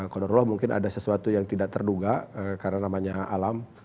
kalau mungkin ada sesuatu yang tidak terduga karena namanya alam